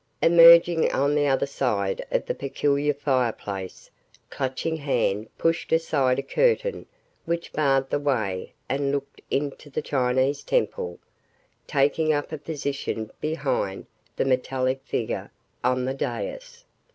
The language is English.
Emerging on the other side of the peculiar fireplace, Clutching Hand pushed aside a curtain which barred the way and looked into the Chinese temple, taking up a position behind the metallic figure on the dais.